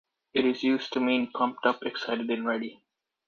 It is used to mean pumped up, excited, and ready.